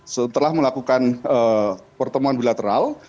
setelah melakukan pertemuan bilateral